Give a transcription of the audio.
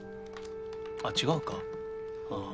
あっ違うかあぁ。